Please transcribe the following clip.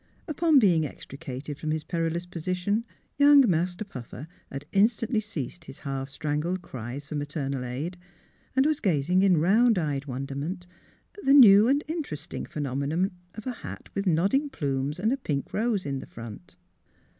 Upon being extricated from his perilous position, young Master Puffer had in stantly ceased his half strangled cries for ma ternal aid, and was gazing in round eyed wonder ment at the new and interesting phenomenon of a hat with, nodding plumes and a pink rose in front.